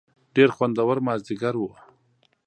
ډېر خوندور مازیګر و.